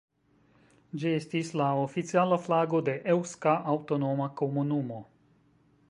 Ĝi estis la oficiala flago de Eŭska Aŭtonoma Komunumo.